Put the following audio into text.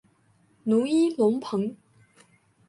努伊隆蓬。